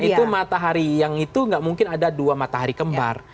itu matahari yang itu nggak mungkin ada dua matahari kembar